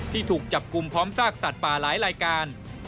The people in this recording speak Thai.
ถูกจับกลุ่มพร้อมซากสัตว์ป่าหลายรายการ